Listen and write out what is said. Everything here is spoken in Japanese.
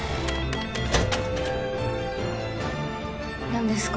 何ですか？